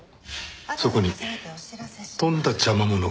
そこにとんだ邪魔者がいた。